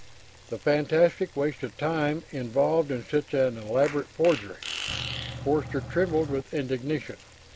The fantastic waste of time involved in such an elaborate forgery ... Forster trembled with indignation.